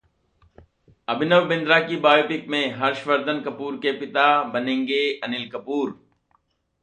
अभिनव बिंद्रा की बायोपिक में हर्षवर्धन कपूर के पिता बनेंगे अनिल कपूर